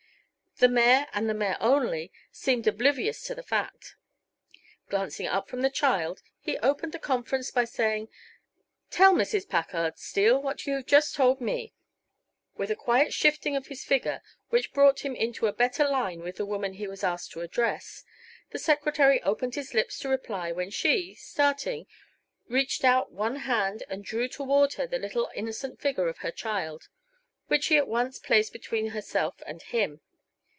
The mayor, and the mayor only, seemed oblivious to the fact. Glancing up from the child, he opened the conference by saying: "Tell Mrs. Packard, Steele, what you have just told me." With a quiet shifting of his figure which brought him into a better line with the woman he was asked to address, the secretary opened his lips to reply when she, starting, reached out one hand and drew toward herself the little innocent figure of her child, which she at once placed between herself and him.